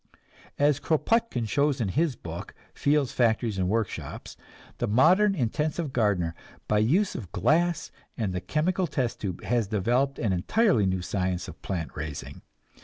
As Kropotkin shows in his book, "Fields, Factories and Workshops," the modern intensive gardener, by use of glass and the chemical test tube, has developed an entirely new science of plant raising.